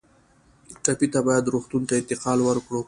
ټپي ته باید روغتون ته انتقال ورکړو.